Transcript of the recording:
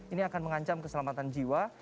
ini akan mengancam keselamatan jiwa